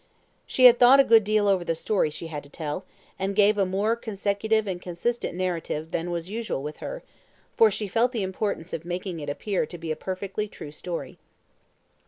She had thought a good deal over the story she had to tell, and gave a more consecutive and consistent narrative than was usual with her, for she felt the importance of making it appear to be a perfectly true story.